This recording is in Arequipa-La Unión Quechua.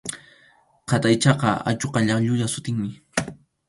Qataychaqa achuqallap llulla sutinmi.